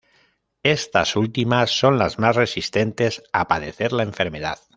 Estas últimas son las más resistentes a padecer la enfermedad.